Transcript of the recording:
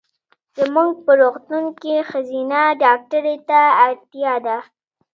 زمونږ په روغتون کې ښځېنه ډاکټري ته اړتیا ده.